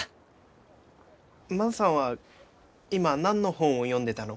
万さんは今何の本を読んでたの？